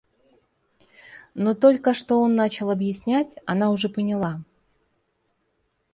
Но только что он начал объяснять, она уже поняла.